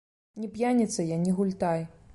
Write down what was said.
Ні п'яніца я, ні гультай.